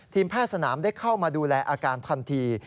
แพทย์สนามได้เข้ามาดูแลอาการทันที